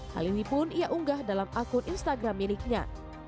hal ini pun ia unggah dalam akun instagram miliknya